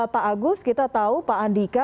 pak agus kita tahu pak andika